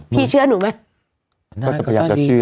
พี่เชื่อหนูไหม